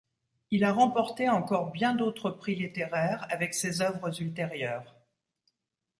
Il a remporté encore bien d'autres prix littéraires avec ses œuvres ultérieures.